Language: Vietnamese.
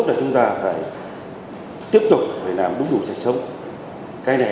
dẫn tới việc mua bán